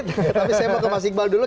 tapi saya mau ke mas iqbal dulu